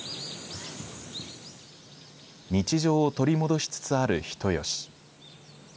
日常を取り戻しつつある人吉。